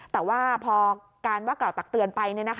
แต่ว่าพอการว่ากล่าวตักเตือนไป